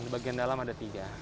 di bagian dalam ada tiga